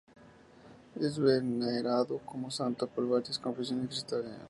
Es venerado como santo por varias confesiones cristianas.